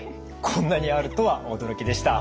こんなにあるとは驚きでした。